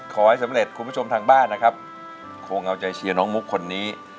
ขอให้สำเร็จคุณผู้ชมทางบ้านนะครับคงเอาใจเชียร์น้องมุกคนนี้